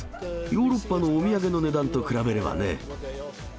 ヨーロッパのお土産の値段と比べればね。